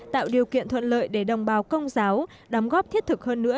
tạo điều kiện thuận lợi để đồng bào công giáo đóng góp thiết thực hơn nữa